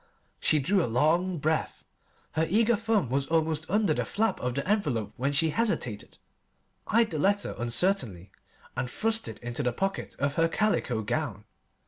She drew a long breath. Her eager thumb was almost under the flap of the envelope when she hesitated, eyed the letter uncertainly, and thrust it into the pocket of her calico gown.